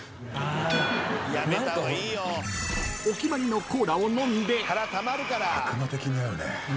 ［お決まりのコーラを飲んで］